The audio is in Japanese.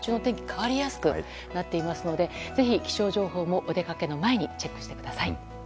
変わりやすくなっていますのでぜひ気象情報もお出かけの前にチェックしてください。